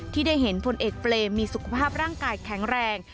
ที่ได้เห็นพลเอกเปรมมีสุขภาพร่างกายแข็งแรง